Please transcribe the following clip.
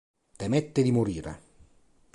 Temette di morire.